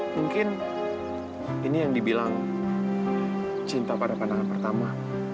mungkin ini yang dibilang cinta pada pandangan pertama